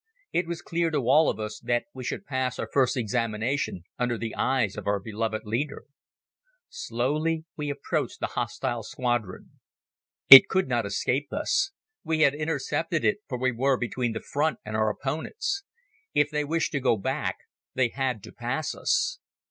It was clear to all of us that we should pass our first examination under the eyes of our beloved leader. Slowly we approached the hostile squadron. It could not escape us. We had intercepted it, for we were between the Front and our opponents. If they wished to go back they had to pass us.